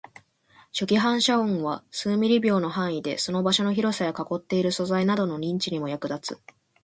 初期反射音は数ミリ秒の範囲で、その場所の広さや囲っている素材などの認知にも役立つ